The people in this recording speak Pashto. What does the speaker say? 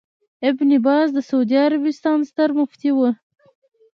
ابن باز د سعودي عربستان ستر مفتي وو